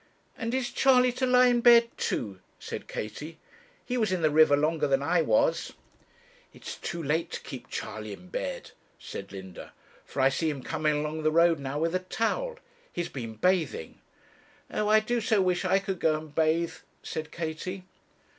'And is Charley to lie in bed too?' said Katie. 'He was in the river longer than I was.' 'It's too late to keep Charley in bed,' said Linda, 'for I see him coming along the road now with a towel; he's been bathing.' 'Oh, I do so wish I could go and bathe,' said Katie.